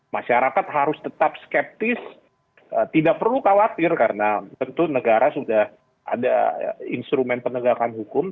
masyarakat harus tetap skeptis tidak perlu khawatir karena tentu negara sudah ada instrumen penegakan hukum